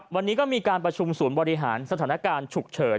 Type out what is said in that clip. วันนี้ก็มีการประชุมศูนย์บริหารสถานการณ์ฉุกเฉิน